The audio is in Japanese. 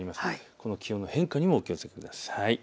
この気温の変化にもお気をつけください。